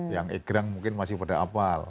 yang egrang mungkin masih pada apal